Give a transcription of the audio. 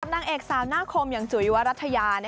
นางเอกสาวหน้าคมอย่างจุ๋ยวรัฐยา